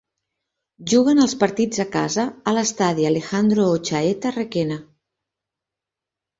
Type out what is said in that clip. Juguen els partits a casa a l'estadi Alejandro Ochaeta Requena.